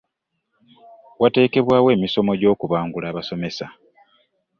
Wateekebwawo emisomo egy'okubangula abasomesa